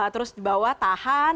terus di bawah tahan